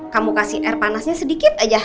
kamu kasih air panasnya sedikit aja